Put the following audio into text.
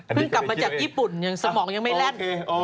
เพิ่งกลับมาจากญี่ปุ่นสมองยังไม่แล่น